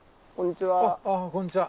こんにちは。